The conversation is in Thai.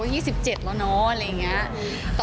ออกงานอีเวนท์ครั้งแรกไปรับรางวัลเกี่ยวกับลูกทุ่ง